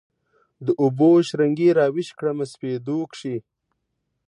د اوبو شرنګي راویښ کړمه سپېدو کښي